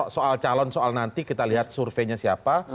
soal calon soal nanti kita lihat surveinya siapa